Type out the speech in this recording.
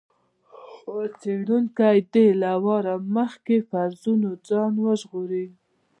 څېړونکی دې له وار له مخکې فرضونو ځان وژغوري.